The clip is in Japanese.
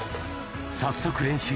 早速練習。